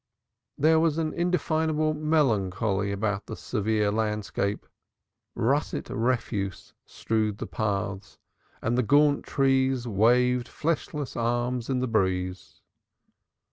There was an indefinable melancholy about the sere landscape. Russet refuse strewed the paths and the gaunt trees waved fleshless arms in the breeze.